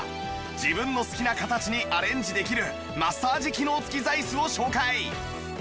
自分の好きな形にアレンジできるマッサージ機能付き座椅子を紹介